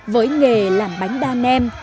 với nghề làm bánh đa nem